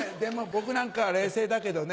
僕なんかは冷静だけどね